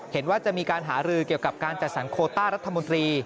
เห็นว่าจะมีการหารือเกี่ยวกับการจัดสรรโคต้ารัฐมนตรี